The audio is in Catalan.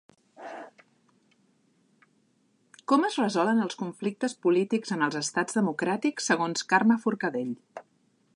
Com es resolen els conflictes polítics en els estats democràtics segons Carme Forcadell?